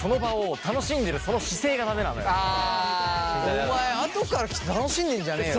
お前後から来て楽しんでんじゃねよ！